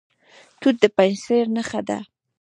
توت د پنجشیر نښه ده.